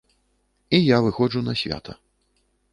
І я выходжу на свята.